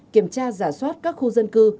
kiểm tra giả soát các khu dân cư